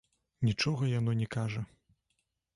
Нічога яно не кажа.